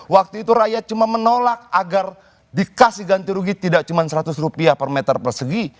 waktu itu rakyat cuma menolak agar dikasih ganti rugi tidak cuma seratus rupiah per meter persegi